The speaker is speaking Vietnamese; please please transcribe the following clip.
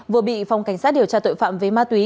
vừa bị phong cảnh sát điều tra tội phạm với ma túy